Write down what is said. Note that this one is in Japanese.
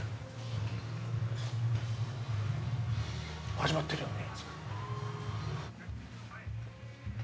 始まってるよね？